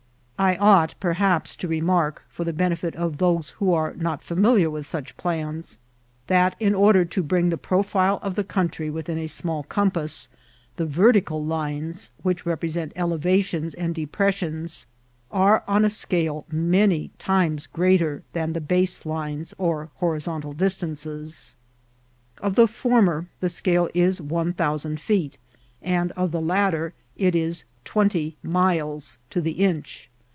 I ought perhaps to remark, for the benefit of those who are not familiar with such plans, that in order to bring the profile of the country within a small conqpass, the vertical lines, which represent elevations and de* pressions, are on a scale many times greater than the ' base lines or horizontal distances. Of the former, the scale is one thousand feet, and of the latter it is twen* ty miles to the inch.